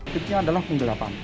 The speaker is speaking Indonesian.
kepikirannya adalah penggelapan